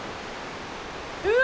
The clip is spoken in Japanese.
うわ！